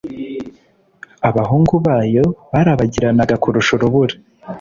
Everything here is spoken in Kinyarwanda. Abahungu bayo barabagiranaga kurusha urubura,